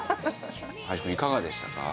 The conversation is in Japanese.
林くんいかがでしたか？